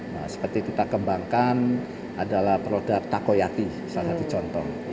nah seperti kita kembangkan adalah produk takoyati salah satu contoh